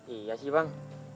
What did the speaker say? iya sih bang